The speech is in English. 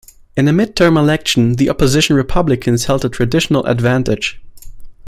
In a midterm election, the opposition Republicans held the traditional advantage.